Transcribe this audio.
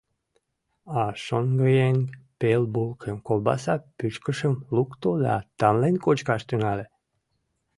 А шоҥгыеҥ пел булкым, колбаса пӱчкышым лукто да тамлен кочкаш тӱҥале.